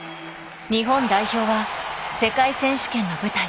日本代表は世界選手権の舞台